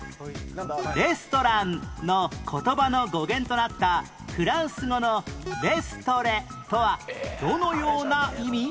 「レストラン」の言葉の語源となったフランス語の「レストレ」とはどのような意味？